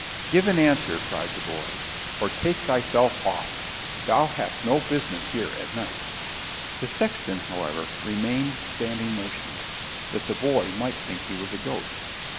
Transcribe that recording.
"Give an answer," cried the boy, "or take thyself off; thou hast no business here at night." The sexton, however, remained standing motionless, that the boy might think he was a ghost.